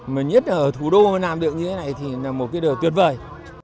mà nhất là ở thủ đô làm được như thế này thì là một cái điều tuyệt vời